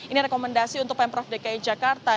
ini rekomendasi untuk pemprov dki jakarta